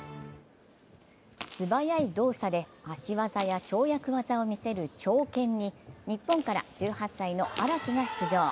素早い動作で、足技や跳躍技をみせる長拳に日本から１８歳の安良城が出場。